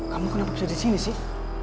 kamu kenapa bisa disini sih